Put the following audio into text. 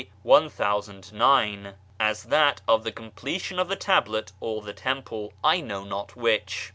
1009 as that of the completion of the tablet or the temple, I know not which.